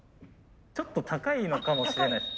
ちょっと高いのかもしれないです